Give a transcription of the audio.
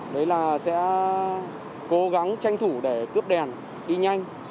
đấy là sẽ cố gắng tranh thủ để cướp đèn đi nhanh